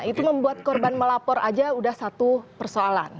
itu membuat korban melapor saja sudah satu persoalan